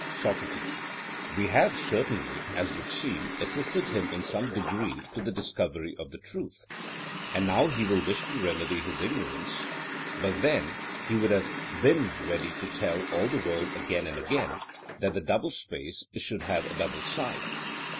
SOCRATES: We have certainly, as would seem, assisted him in some degree to the discovery of the truth; and now he will wish to remedy his ignorance, but then he would have been ready to tell all the world again and again that the double space should have a double side.